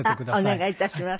お願い致します。